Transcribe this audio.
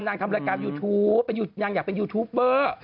ทำรายการยูทูปนางอยากเป็นยูทูปเบอร์